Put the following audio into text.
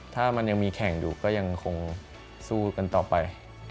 ถ้ามันยังมีแข่งอยู่ก็ยังคงสู้กันต่อไป